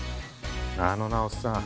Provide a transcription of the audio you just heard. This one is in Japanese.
あのなおっさん